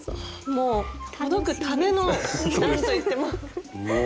もうほどくための何と言っても。